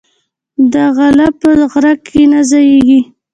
دغله په غره کی نه ځاييږي